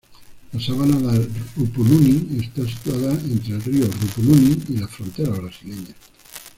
La sabana de Rupununi está situada entre el río Rupununi y la frontera brasileña.